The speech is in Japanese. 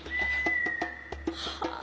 はあ。